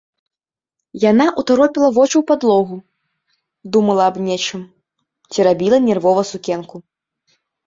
Яна ўтаропіла вочы ў падлогу, думала аб нечым, церабіла нервова сукенку.